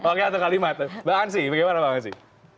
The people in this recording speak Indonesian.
oke satu kalimat mbak ansyi bagaimana mbak ansyi